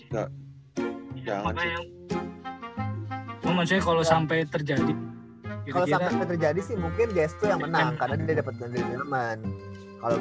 kalau sampai terjadi terjadi sih mungkin jesu yang menang karena dia dapat ganti teman kalau